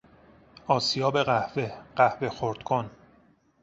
آسیاب قهوه، قهوه خرد کن